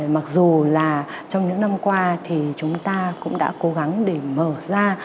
mặc dù là trong những năm qua thì chúng ta cũng đã cố gắng để mở ra